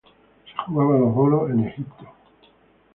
Se jugaba a los bolos en Egipto.